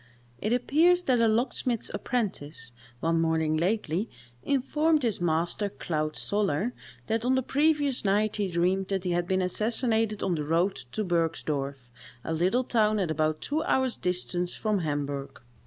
It appears that a locksmith's apprentice, one morning lately, informed his master (Claude Soller) that on the previous night he dreamed that he had been assassinated on the road to Bergsdorff, a little town at about two hours' distance from Hamburgh.